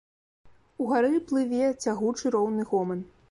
Угары плыве цягучы роўны гоман.